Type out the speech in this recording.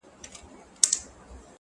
موسیقي، قمار، شراب هر څه یې بند کړل؛